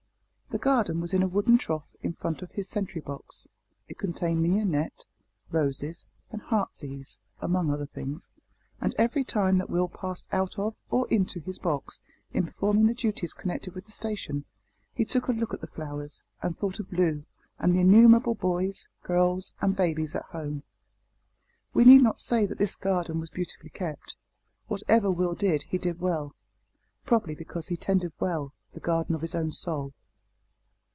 The garden was in a wooden trough in front of his sentry box. It contained mignonette, roses, and heart's ease among other things, and every time that Will passed out of or into his box in performing the duties connected with the station, he took a look at the flowers and thought of Loo and the innumerable boys, girls, and babies at home. We need not say that this garden was beautifully kept. Whatever Will did he did well probably because he tended well the garden of his own soul.